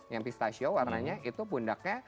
yang pistachio warnanya itu pundaknya